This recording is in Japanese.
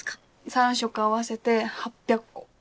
３色合わせて８００個。